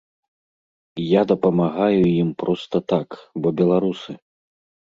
Я дапамагаю ім проста так, бо беларусы.